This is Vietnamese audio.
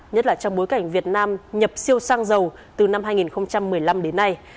nhất là trong bối cảnh việt nam nhập siêu xăng dầu từ năm hai nghìn một mươi năm đến nay